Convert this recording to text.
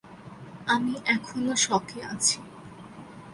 আমি এখনো শকে আছি।